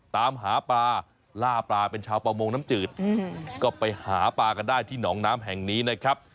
ตามหาปลาล่าปลาเป็นชาวประมงน้ำจืดก็ไปหาปลากันได้ที่หนองน้ำแห่งนี้นะครับ